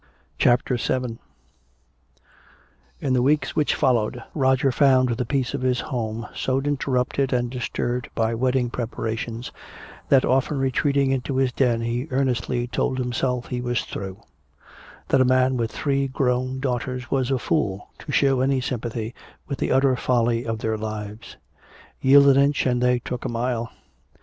CHAPTER VII In the weeks which followed, Roger found the peace of his home so interrupted and disturbed by wedding preparations that often retreating into his den he earnestly told himself he was through, that a man with three grown daughters was a fool to show any sympathy with the utter folly of their lives. Yield an inch and they took a mile!